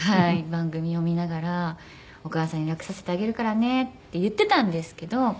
番組を見ながら「お母さんに楽させてあげるからね」って言っていたんですけど。